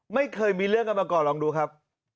ไม่เคยมีเรื่องกันมาก่อนลองดูครับ